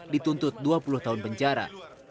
dituntut dua puluh tahun penjara